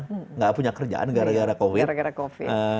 tidak punya kerjaan gara gara covid